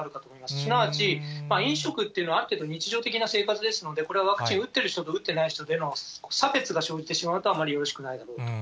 すなわち、飲食っていうのはある程度日常的な生活ですので、これはワクチン打ってる人と打ってない人での差別が生じてしまうとあまりよろしくないだろうと。